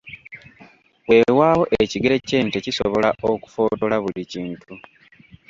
Weewaawo ekigere ky’ente kisobola okufootola buli kintu.